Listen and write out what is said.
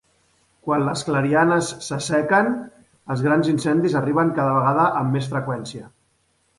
Quan les clarianes s'assequen, els grans incendis arriben cada vegada amb més freqüència.